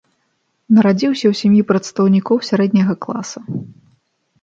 Нарадзіўся ў сям'і прадстаўнікоў сярэдняга класа.